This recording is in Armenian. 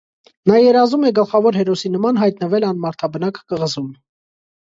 Նա երազում է գլխավոր հերոսի նման հայտնվել անմարդաբնակ կղզում։